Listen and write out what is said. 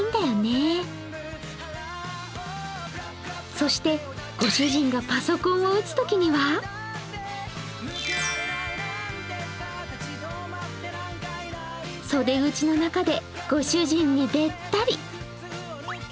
そして、ご主人がパソコンを打つときには袖口の中でご主人にべったり。